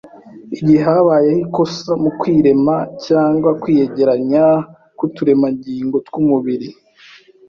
igihe habayeho ikosa mu kwirema cyangwa kwiyegeranya k’uturemangingo tw’umubiri